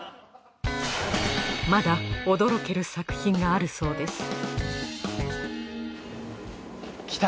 まだ驚ける作品があるそうですきた！